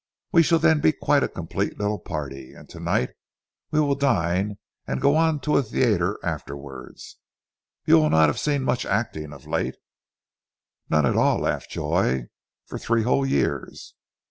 We shall then be quite a complete little party, and tonight we will dine, and go on to a theatre afterwards. You will not have seen much acting, of late " "None at all," laughed Joy, "for three whole years."